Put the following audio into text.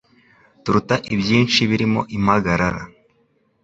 turuta ibyinshi birimo impagarara